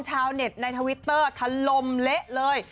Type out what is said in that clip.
ชาวเน็ตในทวิตเตอร์ทะลมเละเลย